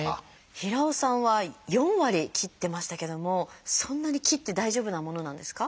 平尾さんは４割切ってましたけどもそんなに切って大丈夫なものなんですか？